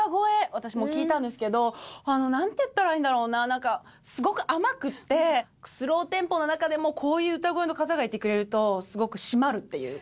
私も聴いたんですけどなんていったらいいんだろうななんかすごく甘くてスローテンポの中でもこういう歌声の方がいてくれるとすごく締まるっていうか。